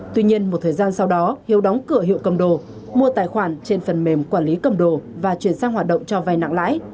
tuy nhiên một thời gian sau đó hiếu đóng cửa hiệu cầm đồ mua tài khoản trên phần mềm quản lý cầm đồ và chuyển sang hoạt động cho vai nặng lãi